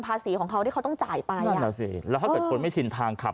ภาษีของเขาที่เขาต้องจ่ายไปแล้วคนไม่ชินทางขับ